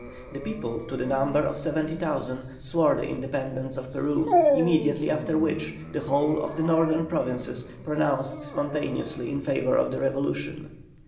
The people, to the number of 70,000, swore the independence of Peru, immediately after which the whole of the Northern Provinces pronounced spontaneously in favour of the Revolution.